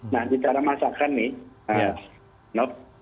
nah di cara masakan nih